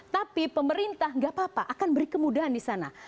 tapi pemerintah nggak apa apa akan beri kemudahan di sana